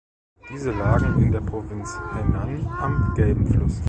Diese lagen in der Provinz Henan am Gelben Fluss.